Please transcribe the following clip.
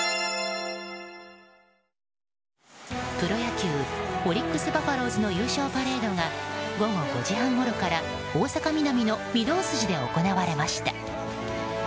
プロ野球オリックス・バファローズの優勝パレードが午後５時半ごろから大阪ミナミの御堂筋で行われました。